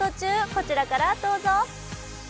こちらからどうぞ。